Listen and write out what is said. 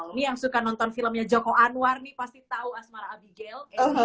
ini yang suka nonton filmnya joko anwar nih pasti tahu asmara abigail